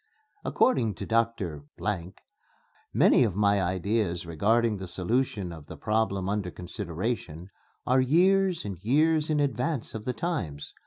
According to Dr. , many of my ideas regarding the solution of the problem under consideration are years and years in advance of the times.